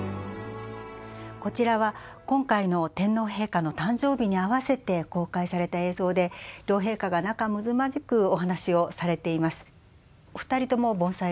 こちらは今回の天皇陛下の誕生日に合わせて公開された映像で両陛下が仲むつまじくお話をされています。